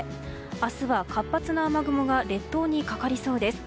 明日は活発な雨雲が列島にかかりそうです。